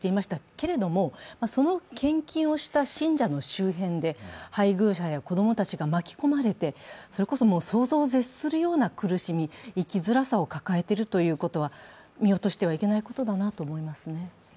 けれども、その献金をした信者の周辺で配偶者や子供たちが巻き込まれて、それこそ想像を絶するような苦しみ生きづらさを抱えているということは、見落としてはいけないことだと思いますね。